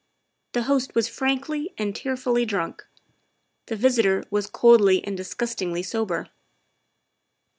The host was frankly and tearfully drunk; the visitor was coldly and disgustedly sober.